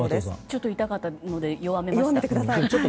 ちょっと痛かったので弱めました。